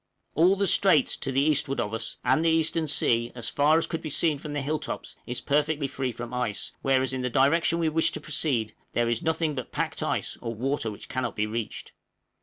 All the strait to the eastward of us, and the eastern sea, as far as could be seen from the hill tops, is perfectly free from ice, whereas in the direction we wish to proceed there is nothing but packed ice, or water which cannot be reached.